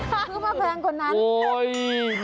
ซื้อมาแพงกว่านั้น